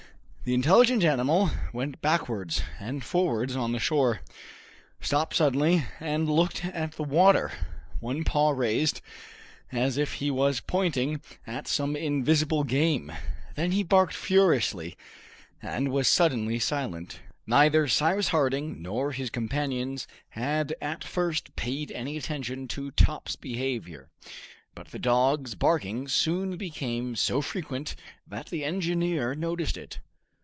The intelligent animal went backwards and forwards on the shore, stopped suddenly, and looked at the water, one paw raised, as if he was pointing at some invisible game; then he barked furiously, and was suddenly silent. Neither Cyrus Harding nor his companions had at first paid any attention to Top's behavior; but the dog's barking soon became so frequent that the engineer noticed it.